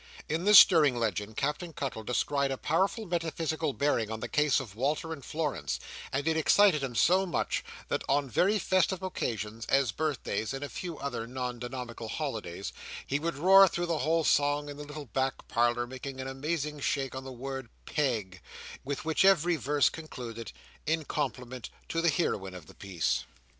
In this stirring legend, Captain Cuttle descried a profound metaphysical bearing on the case of Walter and Florence; and it excited him so much, that on very festive occasions, as birthdays and a few other non Dominical holidays, he would roar through the whole song in the little back parlour; making an amazing shake on the word Pe e eg, with which every verse concluded, in compliment to the heroine of the piece.